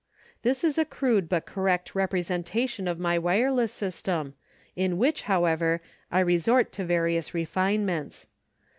This is a crude but correct rep resentation of my wireless system in which, however, I resort to various refinements.